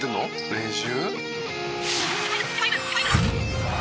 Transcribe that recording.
練習？」